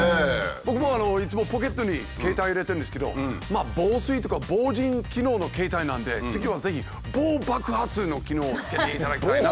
僕もいつもポケットに携帯入れてるんですけど防水とか防塵機能の携帯なんで次はぜひ防爆発の機能を付けていただきたいなと。